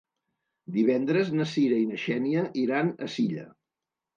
Divendres na Cira i na Xènia iran a Silla.